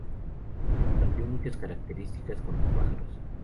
Compartió muchas características con los pájaros.